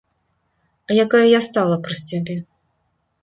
А якая я стала праз цябе.